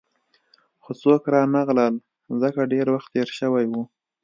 خو څوک رانغلل، ځکه ډېر وخت تېر شوی وو.